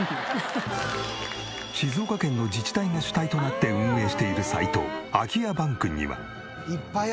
静岡県の自治体が主体となって運営しているサイト空き家バンクには。